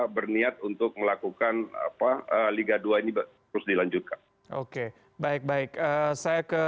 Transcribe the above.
berniat untuk melakukan apa liga dua ini pasti lancung pak okay bajut b enam ay ke free